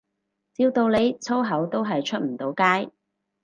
照道理粗口都係出唔到街